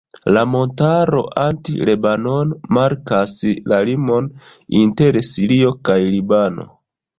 La montaro Anti-Lebanono markas la limon inter Sirio kaj Libano.